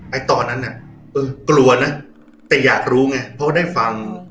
ตอนนั้นน่ะเออกลัวนะแต่อยากรู้ไงเพราะได้ฟัง